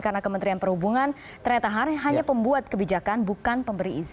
karena kementerian perhubungan ternyata hanya pembuat kebijakan bukan pemberi izin